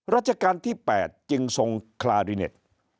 ราชการที่๘จึงทรงคลาริเน็ต